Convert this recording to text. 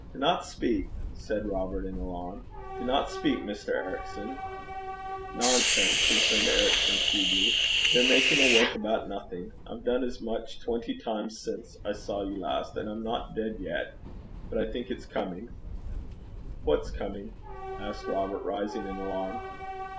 'Dinna speak,' said Robert, in alarm; 'dinna speak, Mr. Ericson.' 'Nonsense,' returned Ericson, feebly. 'They're making a work about nothing. I've done as much twenty times since I saw you last, and I'm not dead yet. But I think it's coming.' 'What's coming?' asked Robert, rising in alarm.